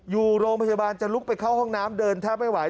อยู่โรงพยาบาลจะลุกไปเข้าห้องน้ำเดินแทบไม่ไหว